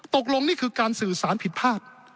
ตกลงนี่คือการสื่อสารผิดพลาด